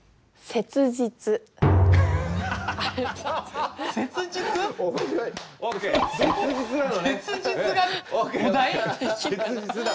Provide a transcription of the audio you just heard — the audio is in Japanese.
「切実」だ。